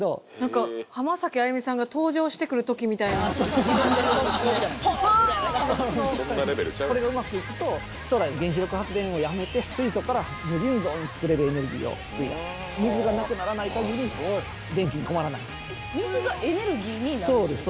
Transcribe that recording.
みたいなこれがうまくいくと将来原子力発電をやめて水素から無尽蔵につくれるエネルギーをつくり出す水がなくならないかぎり電気に困らない水がエネルギーになるそうです